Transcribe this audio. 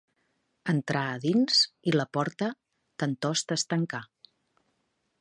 Entrà a dins i la porta tantost es tancà.